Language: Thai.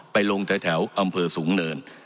ไปลงแถวอำเภอสูงเนิน